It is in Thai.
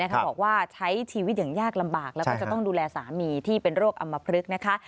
บอกว่าใช้ชีวิตอย่างยากลำบากแล้วก็จะต้องดูแลสามีที่เป็นโรคอำมพลึกนะคะ